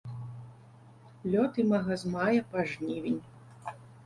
Лёт імага з мая па жнівень.